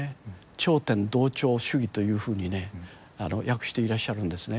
頂点同調主義というふうにね訳していらっしゃるんですね。